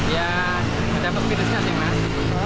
ya ada pesepitasnya sih mas